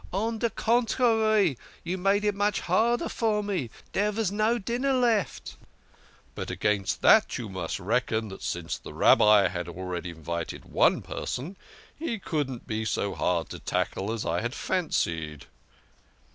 " On de contrary, you made it much harder for me. Dere vas no dinner left." THE KING OF SCHNORRERS. 101 " But against that you must reckon that since the Rabbi had already invited one person, he couldn't be so hard to tackle as I had fancied."